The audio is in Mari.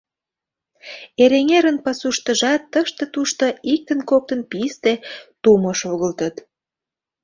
Эреҥерын пасуштыжат тыште-тушто, иктын-коктын писте, тумо шогылтыт.